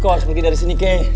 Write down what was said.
aku harus pergi dari sini kay